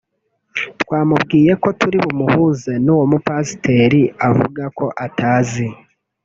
twamubwiye ko turi bumuhuze n'uwo mupasiteri avuga ko atazi